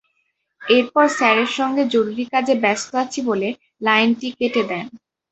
এরপর স্যারের সঙ্গে জরুরি কাজে ব্যস্ত আছি বলে লাইনটি কেটে দেন।